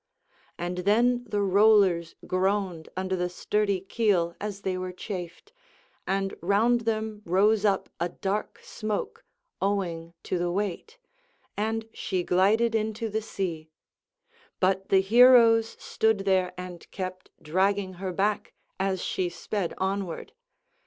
And then the rollers groaned under the sturdy keel as they were chafed, and round them rose up a dark smoke owing to the weight, and she glided into the sea; but the heroes stood there and kept dragging her back as she sped onward.